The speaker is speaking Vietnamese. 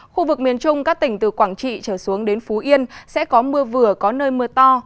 khu vực miền trung các tỉnh từ quảng trị trở xuống đến phú yên sẽ có mưa vừa có nơi mưa to